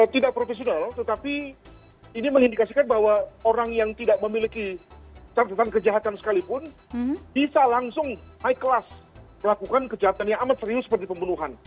tidak profesional tetapi ini mengindikasikan bahwa orang yang tidak memiliki catatan kejahatan sekalipun bisa langsung high class melakukan kejahatan yang amat serius seperti pembunuhan